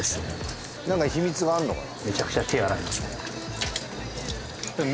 何か秘密があんのかな